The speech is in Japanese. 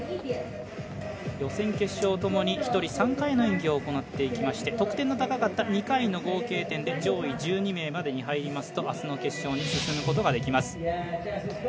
予選、決勝ともに１人３回の演技を行ってきまして得点の高かった２回の合計点で上位１２名までに入りますと明日の決勝に進むことができます。